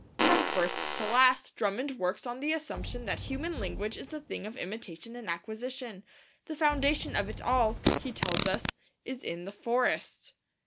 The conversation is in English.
From first to last Drummond works on the assumption that human language is a thing of imitation and acquisition. The foundation of it all, he tells us, is in the forest.